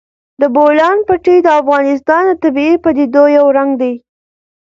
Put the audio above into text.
د بولان پټي د افغانستان د طبیعي پدیدو یو رنګ دی.